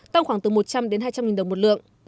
tăng khoảng từ một trăm linh đến hai trăm linh đồng một lượng